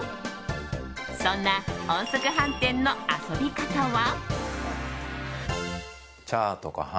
そんな音速飯店の遊び方は。